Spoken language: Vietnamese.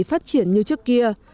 phát triển như trước kia